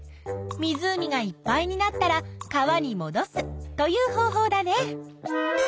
湖がいっぱいになったら川にもどすという方法だね。